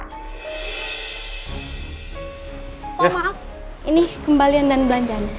oh maaf ini kembalian dan belanjanya